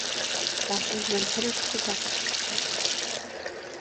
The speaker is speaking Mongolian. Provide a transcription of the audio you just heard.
Дансанд маань хорь хүрэхгүй доллар үлдсэн.